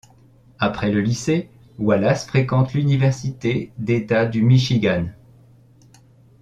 Après le lycée, Wallace fréquente l'université d'État du Michigan.